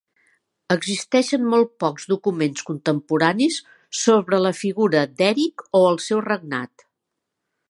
Existeixen molt pocs documents contemporanis sobre la figura d'Eric o el seu regnat.